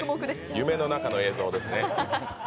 夢の中の映像ですね。